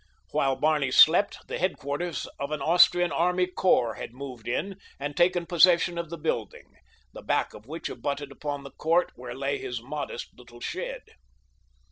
While Barney slept the headquarters of an Austrian army corps had moved in and taken possession of the building, the back of which abutted upon the court where lay his modest little shed.